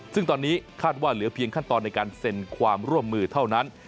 ซึ่งตอนนี้คาดว่าเหลือเพียงขั้นตอนในการเซ็นความร่วมมือเท่านั้น